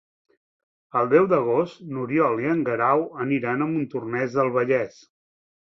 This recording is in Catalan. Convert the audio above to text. El deu d'agost n'Oriol i en Guerau aniran a Montornès del Vallès.